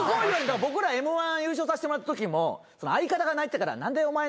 僕らＭ−１優勝させてもらったときも相方が泣いてたから「何でお前泣いてんだよ